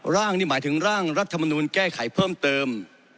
ร่างนี่หมายถึงร่างรัฐมนูลแก้ไขเพิ่มเติม